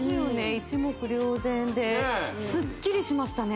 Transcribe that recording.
一目瞭然でスッキリしましたね